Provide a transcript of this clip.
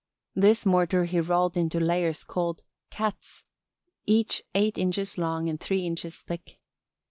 This mortar he rolled into layers called "cats," each eight inches long and three inches thick.